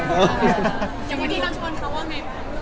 ยังไม่ทันสมบัติเบ้ากันไง